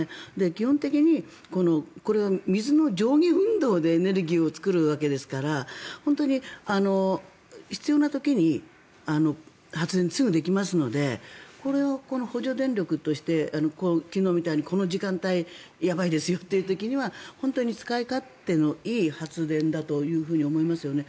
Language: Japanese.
基本的にこれは水の上下運動でエネルギーを作るわけですから本当に必要な時に発電、すぐできますのでこれは補助電力として昨日みたいにこの時間帯がやばいですよって時には使い勝手のいい発電だというふうに思いますよね。